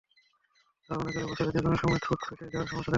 আবার অনেকেরই বছরের যেকোনো সময় ঠোঁট ফেটে যাওয়ার সমস্যা দেখা দেয়।